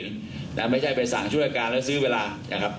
นะครับผมก็ต้องให้การว่าเขาให้การว่าเขาให้การขัดแย้งข้อเรียกจริงนะครับ